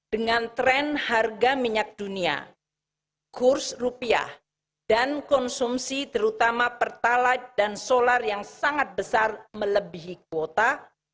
dengan tren harga minyak dunia kurs rupiah dan konsumsi terutama pertalite dan solar yang sangat besar melebihi kuota